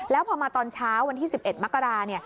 แล้วพอมาตอนเช้าวันที่๑๑มกรา